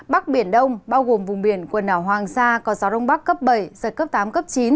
bắc biển đông bao gồm vùng biển quần hảo hoàng sa có gió rung bắc cấp bảy giật cấp tám chín